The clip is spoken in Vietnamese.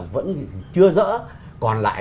vẫn chưa rỡ còn lại